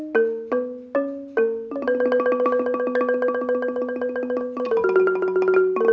สิ่งได้จากภาพจนิริยาระหิว